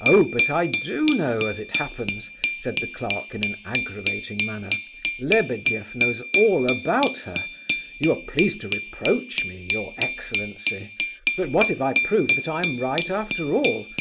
"Oh, but I do know, as it happens," said the clerk in an aggravating manner. "Lebedeff knows all about her. You are pleased to reproach me, your excellency, but what if I prove that I am right after all?